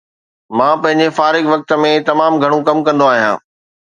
مان پنهنجي فارغ وقت ۾ تمام گهڻو ڪم ڪندو آهيان